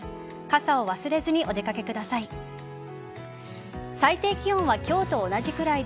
傘を忘れずにお出掛けください。